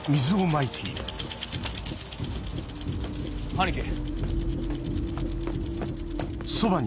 兄貴。